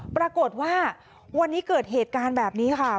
ปรากฏว่าวันนี้เกิดเหตุการณ์แบบนี้ค่ะ